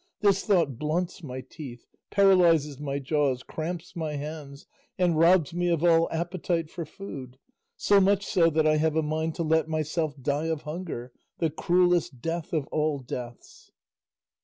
This thought blunts my teeth, paralyses my jaws, cramps my hands, and robs me of all appetite for food; so much so that I have a mind to let myself die of hunger, the cruelest death of all deaths."